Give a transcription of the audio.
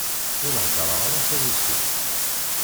Ur hedṛeɣ ara tarusit.